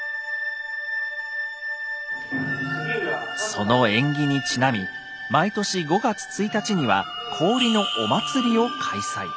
その縁起にちなみ毎年５月１日には氷のお祭りを開催。